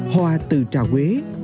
hoa từ trà quế